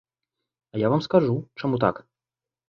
А я вам скажу, чаму так.